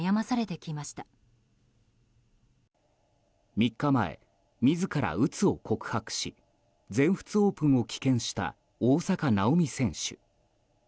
３日前自ら、うつを告白し全仏オープンを棄権した大坂なおみ選手。